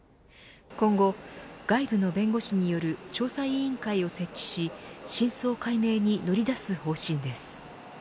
今後、外部の弁護士による調査委員会を設置し真相解明に乗り出す方針です。